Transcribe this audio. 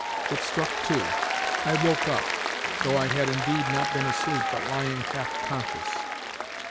It struck two. I woke up, though I had indeed not been asleep but lying half conscious.